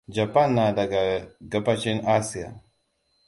Japan na daga gabacin Asia.